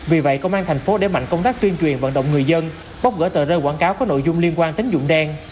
vì vậy công an thành phố để mạnh công tác tuyên truyền vận động người dân bóc gỡ tờ rơi quảng cáo có nội dung liên quan tính dụng đen